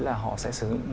là họ sẽ sử dụng